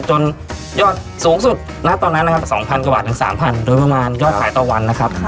ยอดสูงสุดณตอนนั้นนะครับ๒๐๐กว่าบาทถึง๓๐๐โดยประมาณยอดขายต่อวันนะครับ